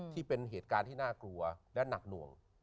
ที่เป็นเหตุการณ์ที่น่ากลัวและหนักหน่วง